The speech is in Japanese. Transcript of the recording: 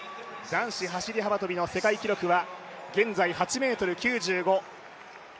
男子走幅跳の世界記録は現在８ｍ９５。